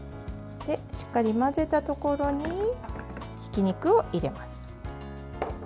しっかり混ぜたところにひき肉を入れます。